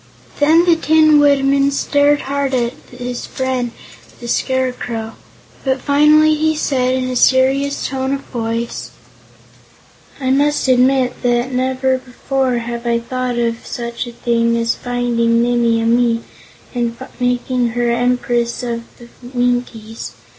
Then the Tin Woodman stared hard at his friend the Scarecrow. But finally he said in a serious tone of voice: "I must admit that never before have I thought of such a thing as finding Nimmie Amee and making her Empress of the Winkies.